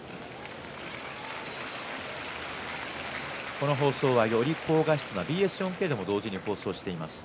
この放送はより高画質なＢＳ４Ｋでも同時放送しています。